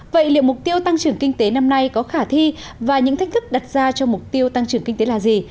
vậy liệu mục tiêu tăng trưởng kinh tế năm nay có khả thi và những thách thức đặt ra cho mục tiêu tăng trưởng kinh tế là gì